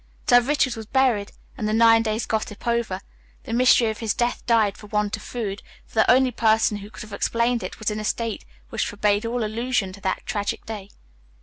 Sir Richard was buried and, the nine days' gossip over, the mystery of his death died for want of food, for the only person who could have explained it was in a state which forbade all allusion to that tragic day.